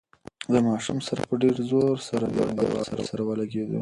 د ماشوم سر په ډېر زور سره له دېوال سره ولګېد.